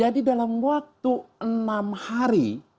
dalam waktu enam hari